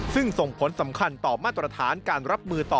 ซึ่งส่งผลสำคัญต่อมาตรฐานการรับมือต่อ